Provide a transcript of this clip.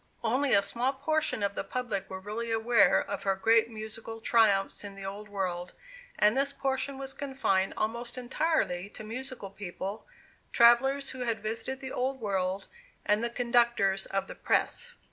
Only a small portion of the public were really aware of her great musical triumphs in the Old World, and this portion was confined almost entirely to musical people, travellers who had visited the Old World, and the conductors of the press.